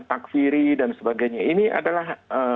takfiri dan sebagainya ini adalah